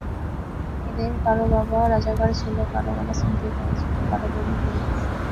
এদের কারও বাবা রাজাকার ছিল, কারও বাবা ছিনতাইকারী ছিল, কারও বাবা ভূমিদস্যু।